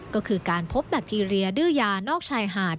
ก็คือการพบแบคทีเรียดื้อยานอกชายหาด